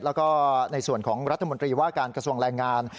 แล้วก็ในส่วนของรัฐมนตรีว่าการกระทรวงแรงงาน